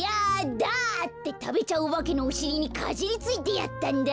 だ！」ってたべちゃうおばけのおしりにかじりついてやったんだ。